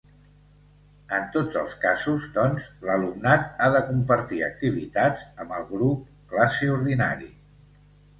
En tots els casos, doncs, l'alumnat ha de compartir activitats amb el grup classe ordinari.